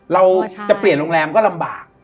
เราจะเปลี่ยนโรงแรมก็ลำบาก